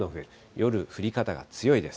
夜降り方が強いです。